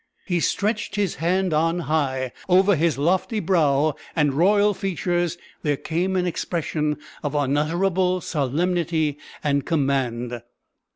He stretched his hand on high; over his lofty brow and royal features there came an expression, of unutterable solemnity and command.